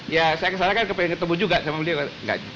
ya saya ke sana kan ingin ketemu juga sama beliau